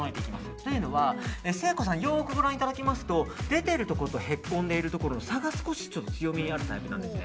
というのは、誠子さんよくご覧いただきますと出ているところとへこんでいるところの差が強めにあるタイプなんですね。